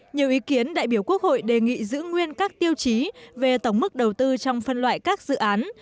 nhiều ý kiến đại biểu quốc hội đề nghị giữ nguyên các tiêu chí về tổng mức đầu tư trong phân loại các dự án